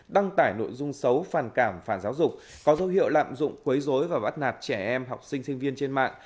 đăng tải nội dung xấu phản cảm phản giáo dục có dấu hiệu lạm dụng quấy dối và bắt nạt trẻ em học sinh sinh viên trên mạng